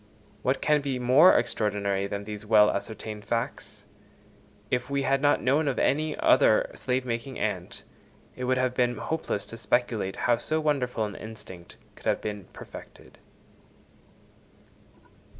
What can be more extraordinary than these well ascertained facts? If we had not known of any other slave making ant, it would have been hopeless to speculate how so wonderful an instinct could have been perfected.